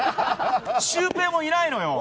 シュウペイもいないのよ。